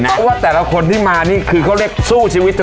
จริงโอ้โหแค่เสื้อพี่โน่นุ่มเรียกว่าติดทีมชาติชุดเอ